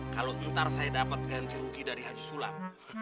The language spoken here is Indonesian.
kalau ntar saya dapat ganti rugi dari haji sulam